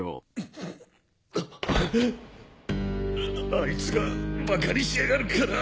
あいつがバカにしやがるから！